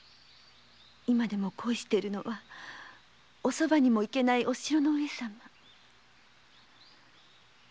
今でも恋しているのはお側にもいけないお城の上様。